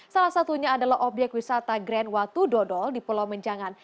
salah satunya adalah obyek wisata grand watu dodol di pulau menjangan